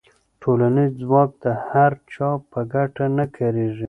ټولنیز ځواک د هر چا په ګټه نه کارېږي.